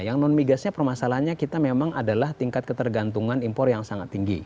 yang non migasnya permasalahannya kita memang adalah tingkat ketergantungan impor yang sangat tinggi